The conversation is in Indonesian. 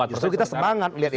justru kita semangat melihat ini